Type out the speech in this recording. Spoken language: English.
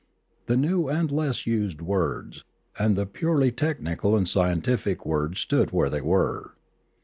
The new and less used words, and the purely technical and scientific words stood where they were.